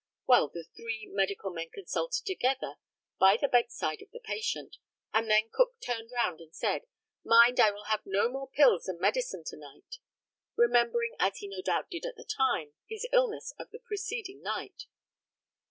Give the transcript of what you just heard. Well, the three medical men consulted together, by the bedside of the patient, and then Cook turned round and said, "Mind, I will have no more pills and medicine, to night," remembering, as he no doubt did at the time, his illness of the preceding night.